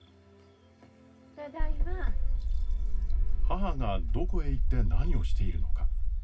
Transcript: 母がどこへ行って何をしているのか。